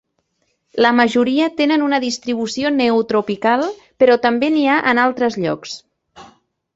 La majoria tenen una distribució neotropical però també n'hi ha en altres llocs.